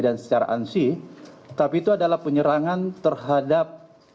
dan secara ansi tapi itu adalah penyerangan terhadap